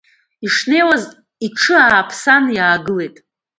Ишнеиуаз, иҽы ааԥсаны иаагылеит.